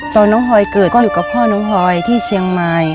ตอนน้องพลอยเกิดก็อยู่กับพ่อน้องพลอยที่เชียงใหม่